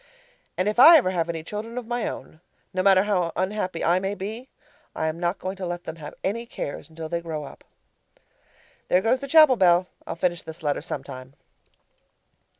And if I ever have any children of my own, no matter how unhappy I may be, I am not going to let them have any cares until they grow up. (There goes the chapel bell I'll finish this letter sometime).